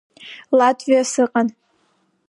Латвиа сыҟан.